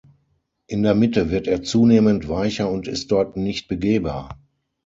In der Mitte wird er zunehmend weicher und ist dort nicht begehbar.